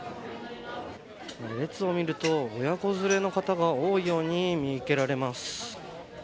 列を見ると親子連れの方が多いように見受けられます。